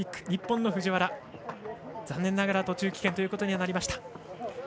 日本の藤原は残念ながら途中棄権となりました。